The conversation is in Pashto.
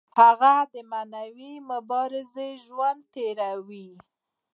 هغه د معنوي مبارزې ژوند تیروي.